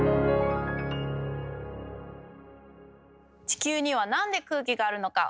地球にはなんで空気があるのか？